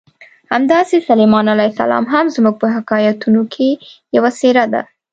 همداسې سلیمان علیه السلام هم زموږ په حکایتونو کې یوه څېره ده.